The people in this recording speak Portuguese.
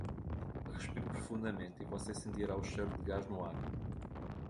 Respire profundamente e você sentirá o cheiro de gás no ar.